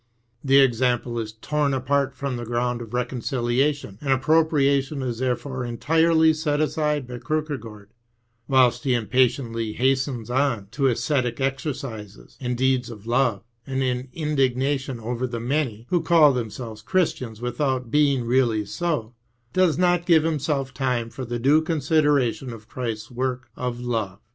The example is torn apart from the ground of reconciliation, and ajjpropriation is therefore entirely set aside by Kierkegaard ; whilst he impatiently hastens on to ascetic exercises and deeds of love, and in indignation over the many, who call themselves Christians without being really so, does not give himself time for the due consideration of Christ's work of love.